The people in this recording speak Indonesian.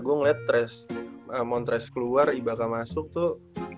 gua ngeliat montres keluar ibaqah masuk tuh